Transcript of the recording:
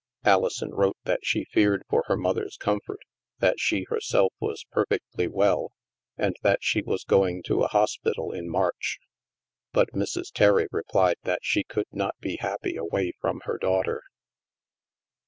Alison wrote that she feared for her mother's comfort, that she, herself, was perfectly well, and that she was going to a hospital in March. But Mrs. Terry replied that she could not be happy away from her daughter.